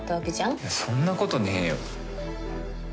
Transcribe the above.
いやそんなことねえよ。